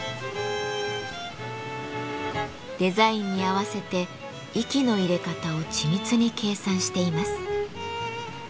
デザインに合わせて息の入れ方を緻密に計算しています。